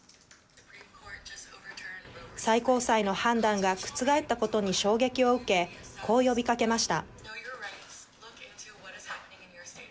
最高裁の判断が覆ったことに衝撃を受けこう呼びかけました。